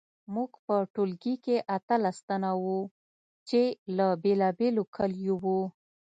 موږ په ټولګي کې اتلس تنه وو چې له بیلابیلو کلیو وو